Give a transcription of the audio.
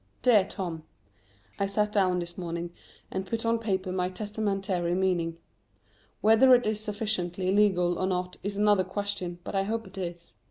_ DEAR TOM, I sat down this morning and put on paper my testamentary meaning. Whether it is sufficiently legal or not is another question, but I hope it is.